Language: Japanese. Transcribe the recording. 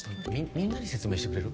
みんなに説明してくれる？